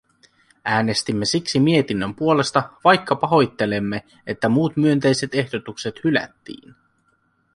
Äänestimme siksi mietinnön puolesta, vaikka pahoittelemme, että muut myönteiset ehdotukset hylättiin.